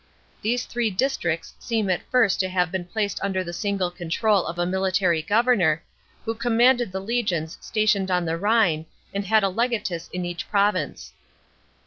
These three districts seem at first to have been placed under the single control of a military governor, who commanded the legions stationed on the Rhine and had a legatus in each province.